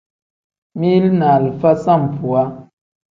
Mili ni alifa sambuwa.